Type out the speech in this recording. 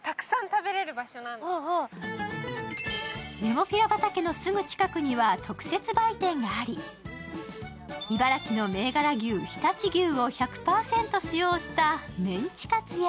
ネモフィラ畑のすぐ近くには特設売店があり、茨城の銘柄牛・常陸牛を１００％使用したメンチカツや